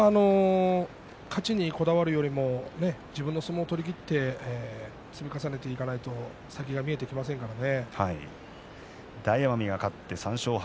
勝ちにこだわるよりも自分の相撲を取りきって積み重ねていかないと先が見えてきませんからね。